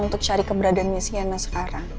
untuk cari keberadaannya siana sekarang